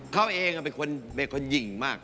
เขาเองเป็นคนหญิงมาก